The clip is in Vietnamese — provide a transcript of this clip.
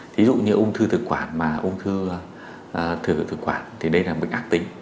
thí dụ như ung thư thực quản mà ung thư thực quản thì đấy là bệnh ác tính